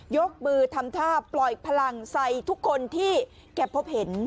ยกมือทำท่าปล่อยพลังใส่ทุกคนที่แกพบเห็น